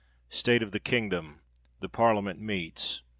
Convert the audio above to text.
State of the kingdom. The parliament meets.